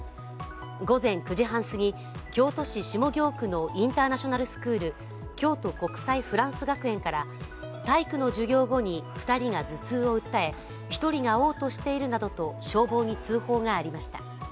午前９時半すぎ、京都市下京区のインターナショナルスクール京都国際フランス学園から体育の授業後に２人が頭痛を訴え１人がおう吐しているなどと消防に通報がありました。